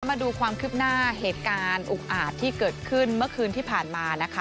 มาดูความคืบหน้าเหตุการณ์อุกอาจที่เกิดขึ้นเมื่อคืนที่ผ่านมานะคะ